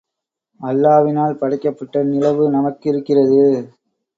அல்லாவினால் படைக்கப்பட்ட நிலவு நமக்கிருக்கிறது.